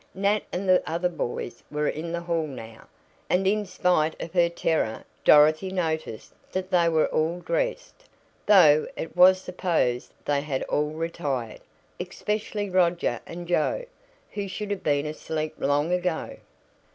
Nat and the other boys were in the hall now, and in spite of her terror Dorothy noticed that they were all dressed, though it was supposed they had all retired especially Roger and Joe, who should have been asleep long ago.